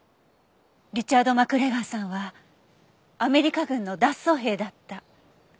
リチャード・マクレガーさんはアメリカ軍の脱走兵だった。